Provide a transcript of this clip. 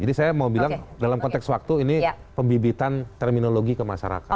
jadi saya mau bilang dalam konteks waktu ini pembibitan terminologi ke masyarakat